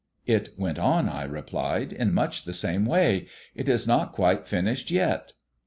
"It went on," I replied, "in much the same way. It is not quite finished yet."